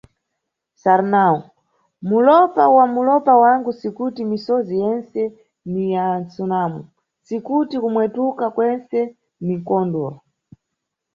Sarnau, mulopa wa mulopa wangu sikuti misozi yentse ni ya msunamo, si kuti kumwetuka kwentse ni mkondwo.